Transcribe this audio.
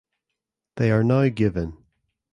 They are now given.